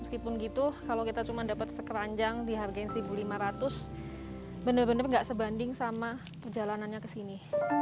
meskipun gitu kalau kita cuma dapet sekeranjang di harga rp satu lima ratus bener bener nggak sebanding sama perjalanannya ke sini